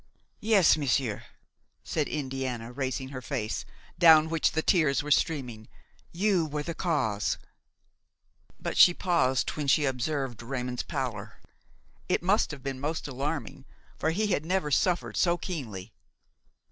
"Yes, monsieur," said Indiana, raising her face, down which the tears were streaming, "you were the cause–" But she paused when she observed Raymon's pallor. It must have been most alarming, for he had never suffered so keenly.